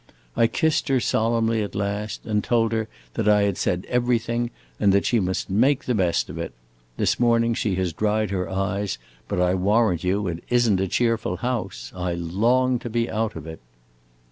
I kissed her solemnly at last, and told her that I had said everything and that she must make the best of it. This morning she has dried her eyes, but I warrant you it is n't a cheerful house. I long to be out of it!"